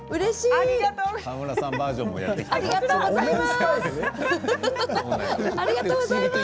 ありがとうございます。